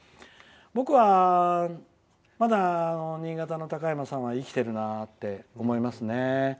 僕はまだ新潟のおやじは生きてるなって思いますね。